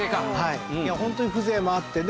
ホントに風情もあって。